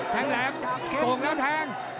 แทงแหลมตรงนั้นแทง